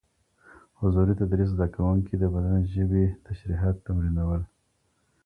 حضوري تدريس زده کوونکي د بدن ژبي تشريحات تمرينول.